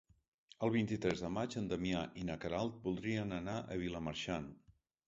El vint-i-tres de maig en Damià i na Queralt voldrien anar a Vilamarxant.